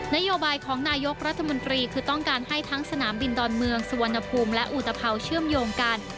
นโยบายของนายกรัฐมนตรีคือต้องการให้ทั้งสนามบินดอนเมืองสุวรรณภูมิและอุตภาวเชื่อมโยงกัน